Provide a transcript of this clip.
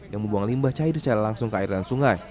yang membuang limbah cair secara langsung ke air dan sungai